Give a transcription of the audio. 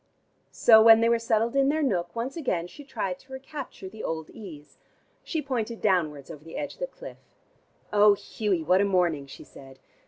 So, when they were settled in their nook, once again she tried to recapture the old ease. She pointed downwards over the edge of the cliff. "Oh, Hughie, what a morning," she said.